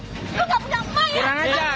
lu gak punya ibu lu gak punya emang